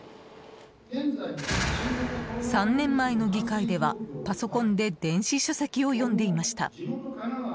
３年前の議会では、パソコンで電子書籍を読んでいました。